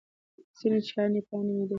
ځینې چای پاڼې مېده شوې وي.